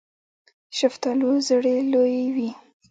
د شفتالو زړې لویې وي.